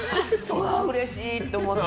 うれしい！って思って。